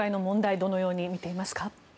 どのように見ていますか？